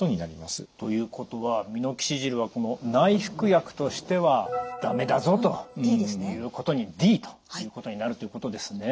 ということはミノキシジルは内服薬としては駄目だぞということにＤということになるということですね。